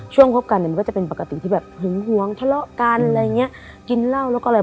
ช่วงคบกันก็จะเป็นปกติที่แบบหึงหวงทะเลาะกันกินเหล้าก็อะไร